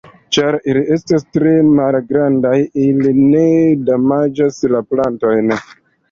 Ĉar ili esta tre malgrandaj ili ne damaĝas la plantojn.